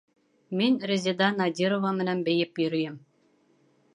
Мин Резеда Надирова менән бейеп йөрөйөм!